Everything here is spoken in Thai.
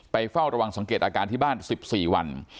เฝ้าระวังสังเกตอาการที่บ้าน๑๔วัน